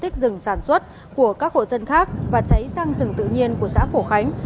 các hộ dân khác và cháy sang rừng tự nhiên của xã phổ khánh